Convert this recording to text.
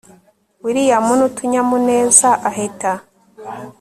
william nutunyamuneza ahita